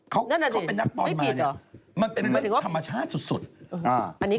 เขาเป็นนักปอนด์มาเนี่ยมันเป็นเหนือธรรมชาติสุดมันตดไม่ได้เหรอ